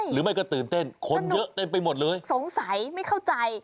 หรือไม่ก็ตื่นเต้นคนเยอะเต็มไปหมดเลยสงสัยไม่เข้าใจ